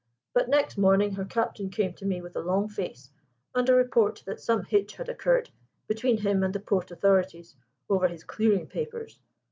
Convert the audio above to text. But next morning her captain came to me with a long face and a report that some hitch had occurred between him and the port authorities over his clearing papers.